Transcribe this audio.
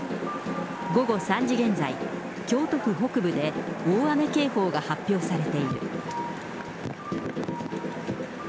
午後３時現在、京都府北部で大雨警報が発表されている。